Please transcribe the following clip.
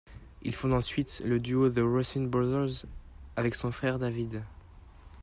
Il fonde ensuite le duo The Ruffin Brothers avec son frère David.